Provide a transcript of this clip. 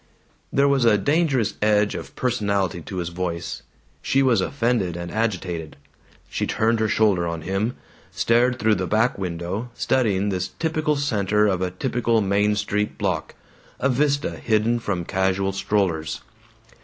There was a dangerous edge of personality to his voice. She was offended and agitated. She turned her shoulder on him, stared through the back window, studying this typical center of a typical Main Street block, a vista hidden from casual strollers.